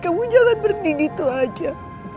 kamu jangan berdiri itu aja